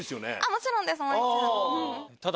もちろんです。